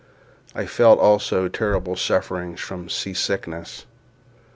I felt, also, terrible sufferings from sea sickness.